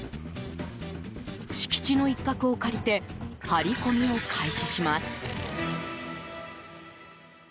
敷地の一角を借りて張り込みを開始します。